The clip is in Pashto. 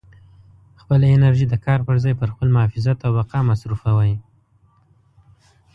خپله انرژي د کار په ځای پر خپل محافظت او بقا مصروفوئ.